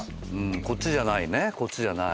こっちじゃないねこっちじゃない。